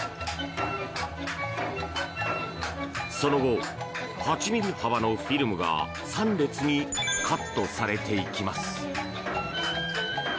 その後、８ｍｍ幅のフィルムが３列にカットされていきます。